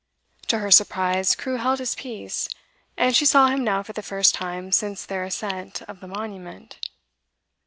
To her surprise, Crewe held his peace, and she saw him now for the first time since their ascent of the Monument.